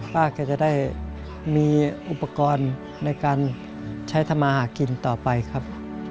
ป้าแกจะได้มีอุปกรณ์ในการใช้ทำมาหากินต่อไปครับ